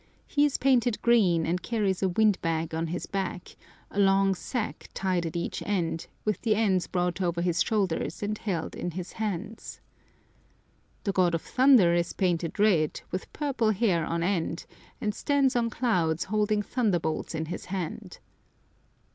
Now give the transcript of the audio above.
He is painted green, and carries a wind bag on his back, a long sack tied at each end, with the ends brought over his shoulders and held in his hands. The god of thunder is painted red, with purple hair on end, and stands on clouds holding thunderbolts in his hand.